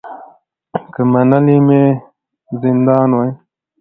که منلی مي زندان وای